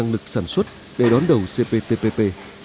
được sản xuất để đón đầu cptpp